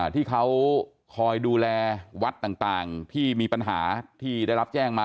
ที่เขาคอยดูแลวัดต่างที่มีปัญหาที่ได้รับแจ้งมา